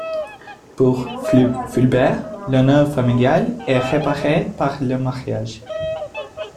Pour Fulbert, l'honneur familial est réparé par le mariage.